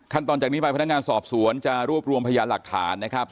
ตอนจากนี้ไปพนักงานสอบสวนจะรวบรวมพยานหลักฐานนะครับ